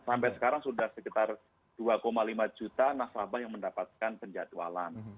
sampai sekarang sudah sekitar dua lima juta nasabah yang mendapatkan penjadwalan